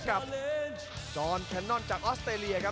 กับจอนแคนนอนจากออสเตรเลียครับ